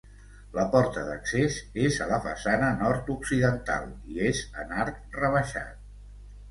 La porta d'accés és a la façana nord-occidental, i és en arc rebaixat.